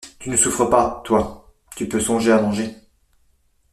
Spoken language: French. Tu ne souffres pas, toi ! tu peux songer à manger !…